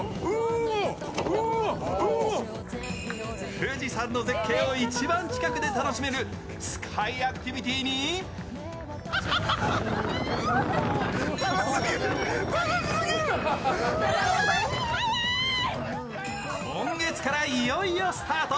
富士山の絶景を一番近くで楽しめるスカイアクティビティーに今月からいよいよスタート。